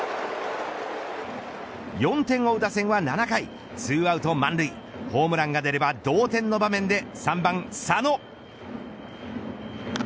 ４点を追う打線は７回２アウト満塁ホームランが出れば同点の場面で３番佐野。